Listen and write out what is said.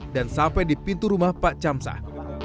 dan sampai di pintu rumah pak camsah